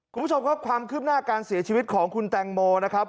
คุณผู้ชมครับความคืบหน้าการเสียชีวิตของคุณแตงโมนะครับ